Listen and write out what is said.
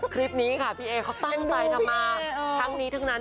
คลิปนี้ค่ะพี่เอเขาตั้งใจทำมาทั้งนี้ทั้งนั้น